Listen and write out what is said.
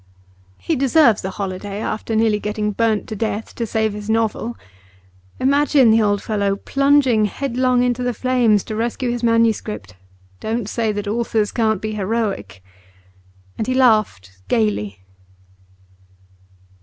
'He deserves a holiday after nearly getting burnt to death to save his novel. Imagine the old fellow plunging headlong into the flames to rescue his manuscript! Don't say that authors can't be heroic!' And he laughed gaily.